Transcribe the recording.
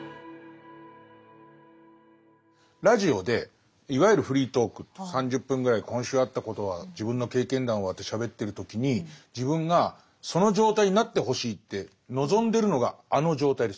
ラジオでいわゆるフリートークって３０分ぐらい今週あったことは自分の経験談はってしゃべってる時に自分がその状態になってほしいって望んでるのがあの状態です。